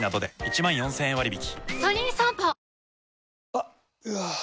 あっ、うわー。